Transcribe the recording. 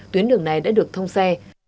tuyến đường này đã được thông xe